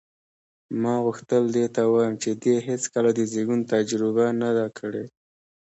ما غوښتل دې ته ووایم چې دې هېڅکله د زېږون تجربه نه ده کړې.